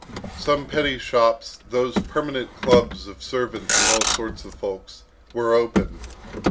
Some petty shops, those permanent clubs of servants and all sorts of folks, were open.